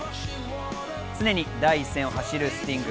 常に第一線を走るスティング。